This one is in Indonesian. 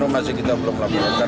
maksudnya kita belum lakukan